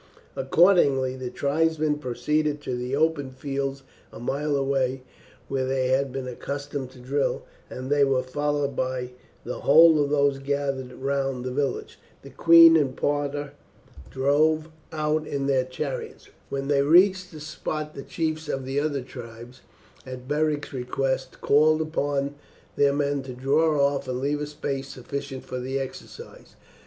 Accordingly the tribesmen proceeded to the open fields a mile away, where they had been accustomed to drill, and they were followed by the whole of those gathered round the village. The queen and Parta drove out in their chariots. When they reached the spot the chiefs of the other tribes, at Beric's request, called upon their men to draw off and leave a space sufficient for the exercises.